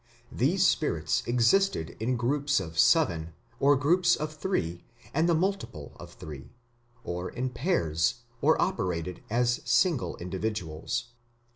These spirits existed in groups of seven, or groups of three, and the multiple of three, or in pairs, or operated as single individuals.